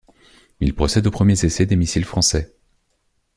Il procède aux premiers essais des missiles français.